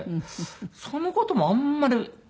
その事もあんまり。